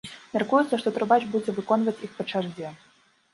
Мяркуецца, што трубач будзе выконваць іх па чарзе.